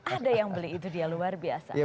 ada yang beli itu dia luar biasa